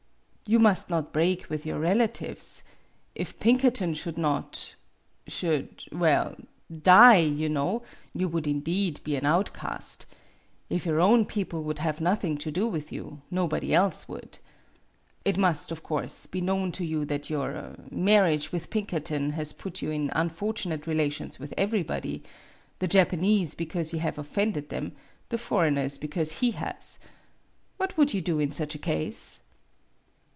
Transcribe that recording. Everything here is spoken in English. " You must not break with your relatives. If Pinkerton should not, should well, die, you know, you would indeed be an out cast. If your own people would have nothing to do with you, nobody else would. It must, of course, be known to you that your marriage with Pinkerton has put you in unfortunate relations with every body; the Japanese because you have of fended them, the foreigners because he has. What would you do in such a case